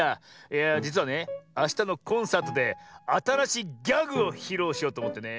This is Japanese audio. いやあじつはねあしたのコンサートであたらしいギャグをひろうしようとおもってね。